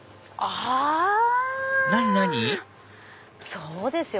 そうですよ